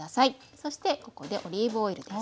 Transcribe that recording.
そしてここでオリーブオイルです。